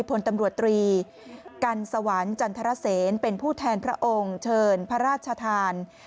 พลตำรวจตรีกันสวรรค์จันทรเซนเป็นผู้แทนพระองค์เชิญพระราชทาน